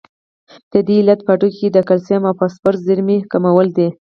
د دې علت په هډوکو کې د کلسیم او فاسفورس د زیرمې کموالی دی.